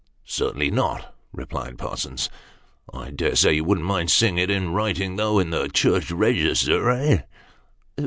" Certainly not," replied Parsons. " I dare say you wouldn't mind seeing it in writing, though, in the church register eh